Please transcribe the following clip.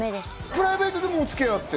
プライベートでもおつきあいあって？